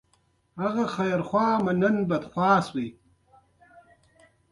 مېلې خلک یو له بله زده کړي کولو ته هڅوي.